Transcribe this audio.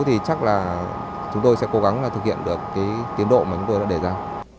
thì chúng tôi sẽ cố gắng thực hiện được tiến độ mà chúng tôi đã để ra